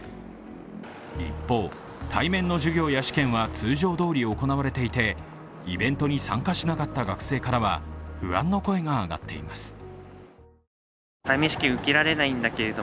一方、対面の授業や試験は通常どおり行われていて、イベントに参加しなかった学生からは不安の声が上がっています。